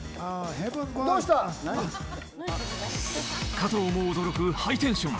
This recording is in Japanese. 加藤も驚くハイテンション。